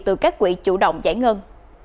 từ các quỹ chủ động giải ngân